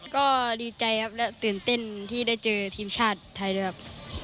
ก็ดีใจครับและตื่นเต้นที่ได้เจอทีมชาติไทยด้วยครับ